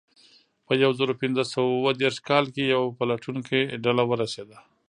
په یو زرو پینځه سوه اوه دېرش کال کې یوه پلټونکې ډله ورسېده.